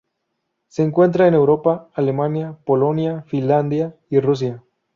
Se encuentra en Europa: Alemania, Polonia, Finlandia y Rusia.